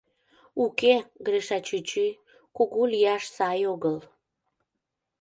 — Уке, Гриша чӱчӱ, кугу лияш сай огыл...